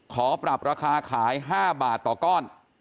ขอปรับราคาขาย๕บาทต่อก้อน